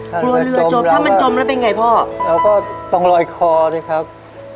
กลัวเรือจมถ้ามันจมแล้วเป็นไงพ่อเราก็ต้องลอยคอสิครับ